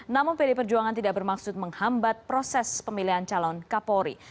namun pd perjuangan tidak bermaksud menghambat proses pemilihan calon kapolri